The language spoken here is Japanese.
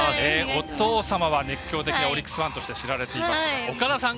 お父様は、熱狂的なオリックスファンとして知られていますが岡田さん